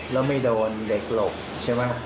แล้วไม่โดนเด็กหลบเข้ามาเคราะห์ใช่ไหมครับ